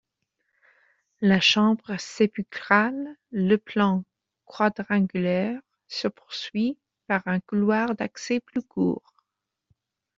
La chambre sépulcrale, de plan quadrangulaire, se poursuit par un couloir d'accès plus court.